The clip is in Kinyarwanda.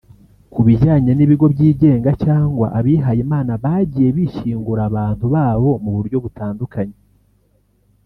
Ku bijyanye n’ibigo byigenga cyangwa abihayimana bagiye bishyingura abantu babo mu buryo butandukanye